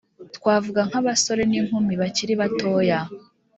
twavuga nk'abasore n'inkumi bakiri batoya,